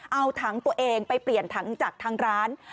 เอาถังตัวเองไปเปลี่ยนถังจากทางร้าน